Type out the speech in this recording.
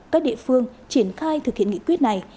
các địa phương triển khai thực hiện nghị quyết này